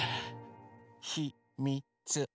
ひ・み・つ。